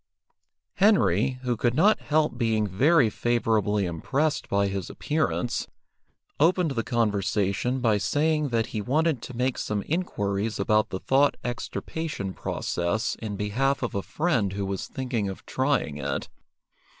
Henry, who could not help being very favourably impressed by his appearance, opened the conversation by saying that he wanted to make some inquiries about the Thought extirpation process in behalf of a friend who was thinking of trying it.